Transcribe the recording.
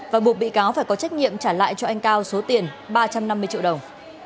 và buộc bị cáo phải có trách nhiệm trả lại cho anh cao số tiền ba trăm năm mươi triệu đồng